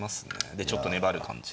でちょっと粘る感じ。